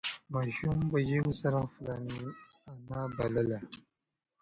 ماشوم په چیغو سره خپله انا بلله.